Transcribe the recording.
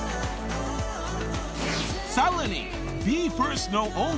［さらに］